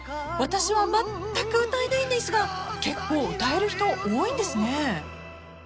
［私はまったく歌えないんですが結構歌える人多いんですね］